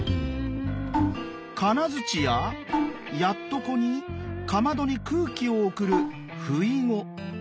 金づちややっとこにかまどに空気を送るふいご。